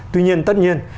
tuy nhiên tất nhiên